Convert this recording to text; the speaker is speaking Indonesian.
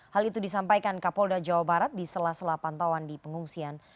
hal itu disampaikan kapolda jawa barat di sela sela pantauan di pengungsian